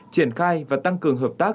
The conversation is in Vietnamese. triển khai và tăng cường hợp tác